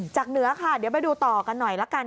เหนือค่ะเดี๋ยวไปดูต่อกันหน่อยละกัน